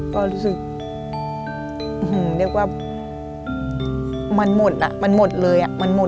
ก็รู้สึกว่ามันหมดมันหมดเลย